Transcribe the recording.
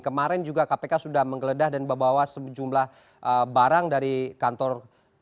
kemarin juga kpk sudah menggeledah dan membawa sejumlah barang dari kantor